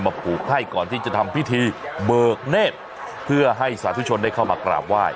ผูกให้ก่อนที่จะทำพิธีเบิกเนธเพื่อให้สาธุชนได้เข้ามากราบไหว้